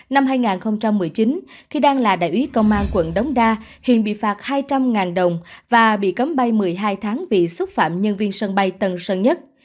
năm hai nghìn một mươi chín khi đang là đại úy công an quận đống đa hiền bị phạt hai trăm linh đồng và bị cấm bay một mươi hai tháng vì xúc phạm nhân viên sân bay tân sơn nhất